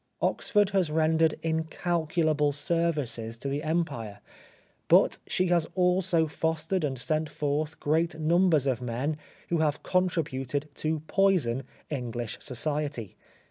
Oxford has rendered incalculable services to the Empire, but she has also fostered and sent forth great numbers of men who have contributed to poison English society.